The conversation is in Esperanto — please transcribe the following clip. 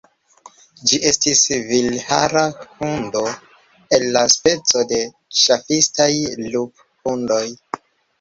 Ĝi estis vilhara hundo el la speco de ŝafistaj luphundoj.